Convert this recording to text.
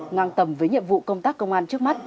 ngang tầm với nhiệm vụ công tác công an trước mắt